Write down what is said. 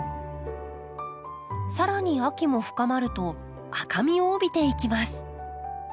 更に秋も深まると赤みを帯びていきます。